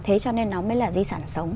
thế cho nên nó mới là di sản sống